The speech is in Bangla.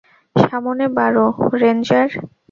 সামনে বাড়ো, রেঞ্জার!